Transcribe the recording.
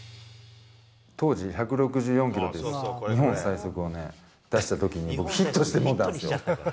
当時１６４キロで、日本最速をね、出したときに僕ヒット出してもうたんですよ。